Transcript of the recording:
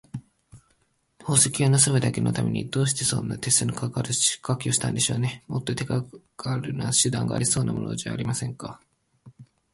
宝石をぬすむだけのために、どうしてそんな手数のかかるしかけをしたんでしょうね。もっと手がるな手段がありそうなものじゃありませんか。